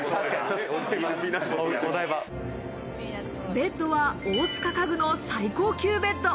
ベッドは大塚家具の最高級ベッド。